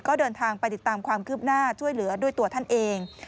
ก็เดินทางไปติดตามความคืบหน้าช่วยเหลือด้วยตัวท่านเอง